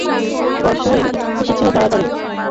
বর্ষা এসেছিল তাড়াতাড়ি, আর বেশ কয়েক মাস এটা থামার সম্ভাবনা নেই।